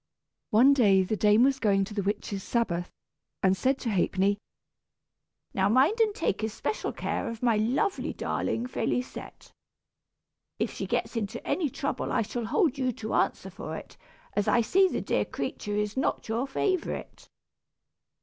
One day the dame was going to the Witches' Sabbath, and said to Ha'penny, "Now mind and take especial care of my lovely darling, Félisette. If she gets into any trouble I shall hold you to answer for it, as I see the dear creature is not your favorite."